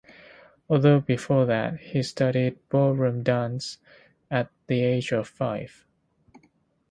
Although before that, he studied ballroom dance at the age of five.